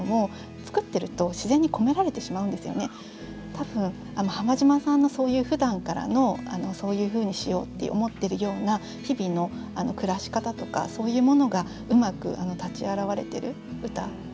多分浜島さんのそういうふだんからのそういうふうにしようって思ってるような日々の暮らし方とかそういうものがうまく立ち現れてる歌だったなと思ってます。